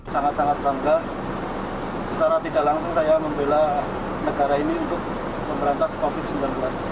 sangat sangat bangga secara tidak langsung saya membela negara ini untuk memberantas covid sembilan belas